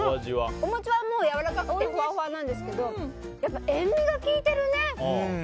お餅はやわらかくてふわふわなんですが塩みが効いてるね。